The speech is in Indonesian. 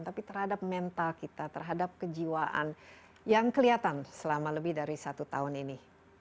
tapi terhadap mental kita terhadap kejiwaan yang kelihatan selama lebih dari satu tahun ini